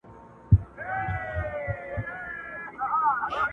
چي زموږ پر ښار باندي ختلی لمر په کاڼو ولي!